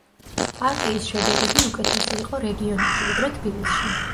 პარტიის შედეგები უკეთესი იყო რეგიონებში, ვიდრე თბილისში.